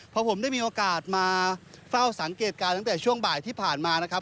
พอผมได้มีโอกาสมาเฝ้าสังเกตการณ์ตั้งแต่ช่วงบ่ายที่ผ่านมานะครับ